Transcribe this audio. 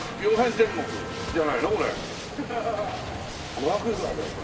５００いくらだよこれ。